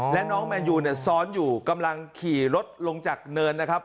และน้องแมนยูเนี่ยซ้อนอยู่กำลังขี่รถลงจากเนินนะครับ